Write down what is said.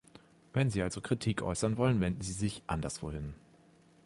Wenn Sie also Kritik äußern wollen, wenden Sie sich anderswo hin.